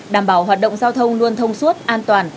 đảm bảo hoạt động giao thông luôn thông suốt an toàn